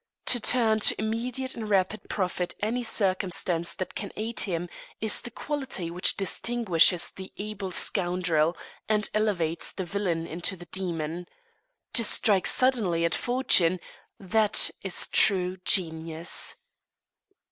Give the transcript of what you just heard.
To turn to immediate and rapid profit any circumstance that can aid him is the quality which distinguishes the able scoundrel, and elevates the villain into the demon. To strike suddenly at fortune, that is true genius.